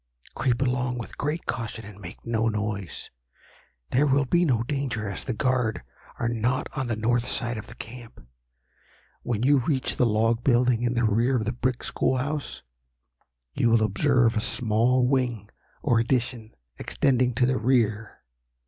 Creep along with great caution, and make no noise. There will be no danger, as the guard are not on the north side of the camp. When you reach the log building in the rear of the brick school house, you will observe a small wing, or addition, extending to the rear.